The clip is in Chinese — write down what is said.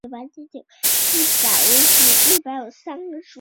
基于细胞的免疫疗法对一些癌症有效。